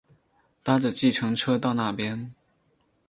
搭著计程车到那边